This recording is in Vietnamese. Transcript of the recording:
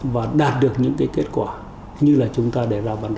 và đạt được những cái kết quả như là chúng ta để ra bàn đỏ